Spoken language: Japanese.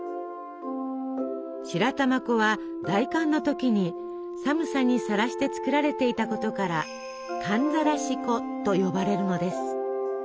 白玉粉は大寒の時に寒さにさらして作られていたことから「寒ざらし粉」と呼ばれるのです。